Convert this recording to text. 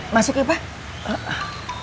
masuk ya pak